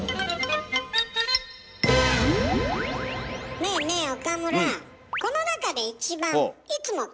ねえねえ岡村。